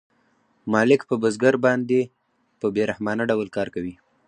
مالک په بزګر باندې په بې رحمانه ډول کار کوي